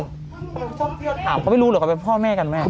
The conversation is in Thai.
ชอบเที่ยวถามเขาไม่รู้หรอกว่าเป็นพ่อแม่กันไหม